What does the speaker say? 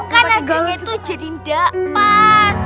karena gilanya itu jadi ndak pas